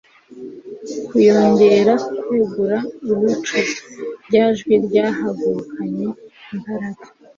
kuzongera kwegura uwicuza. Rya jwi ryahagurukanye imbaraga